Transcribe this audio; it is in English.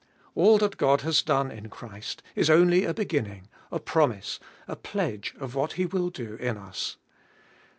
All that God has done in Christ is only a beginning, a promise, a pledge of what He will do in us.